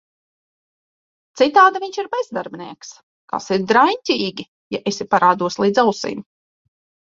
Citādi viņš ir bezdarbnieks - kas ir draņķīgi, ja esi parādos līdz ausīm…